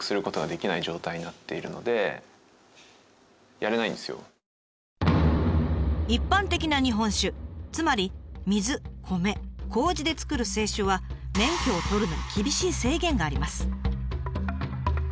厳密に言うと一般的な日本酒つまり水米麹で造る清酒は免許を取るのに厳しい制限があります。